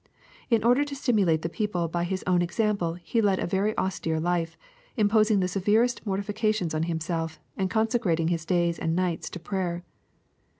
In order to stimulate the people by his own example he led a very austere life, imposing the severest mortifications on himself and consecrating his days and nights to prayer.